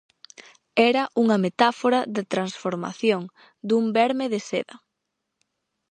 Era unha metáfora da transformación, dun verme de seda.